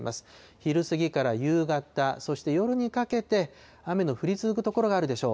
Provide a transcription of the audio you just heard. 昼過ぎから夕方、そして夜にかけて、雨の降り続く所があるでしょう。